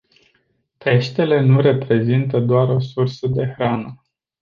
Peștele nu reprezintă doar o sursă de hrană.